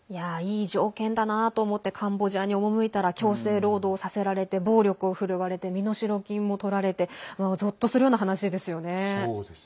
いい条件だなと思ってカンボジアに赴いたら強制労働させられて暴力を振るわれて身代金も取られてぞっとするような話ですよね。